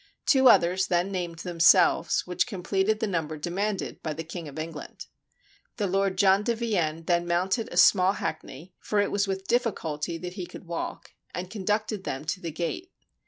Two others then named themselves, which completed the number de manded by the King of England. The Lord John de Vienne then mounted a small hack ney, for it was with difficulty that he could walk, and conducted them to the gate.